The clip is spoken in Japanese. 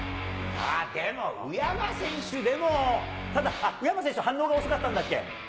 でも宇山選手でも、ただ、宇山選手、反応が遅かったんだっけ？